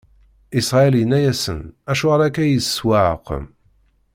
Isṛayil inna-asen: Acuɣer akka i yi-tesɛewqem?